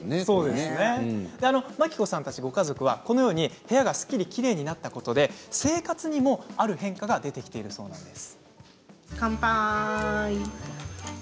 真希子さんたちご家族は部屋がすっきりきれいになったことで生活にもある変化が出てきているそうです。